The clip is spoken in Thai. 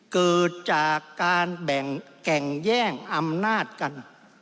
เกิดจากการแบ่งแก่งแย่งอำนาจกัน